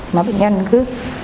mà bệnh nhân cứ